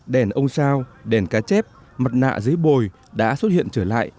đèn ông sao đèn cá chép mặt nạ giấy bồi đã xuất hiện trở lại